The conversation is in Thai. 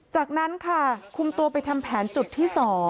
จากนั้นค่ะคุมตัวไปทำแผนจุดที่๒